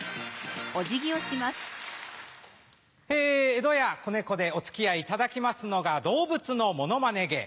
江戸家小猫でお付き合いいただきますのが動物のモノマネ芸。